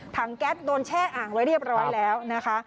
แก๊สโดนแช่อ่างไว้เรียบร้อยแล้วนะคะ